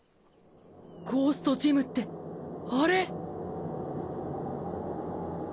ゴーストジムってあれ？